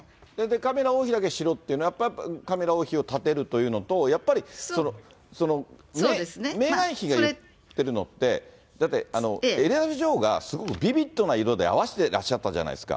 カミラ王妃だけ白っていうのは、カミラ王妃をたてるというのと、メーガン妃が言ってるのって、だって、エリザベス女王がすごくビビッドな色で合わせてらっしゃったじゃないですか。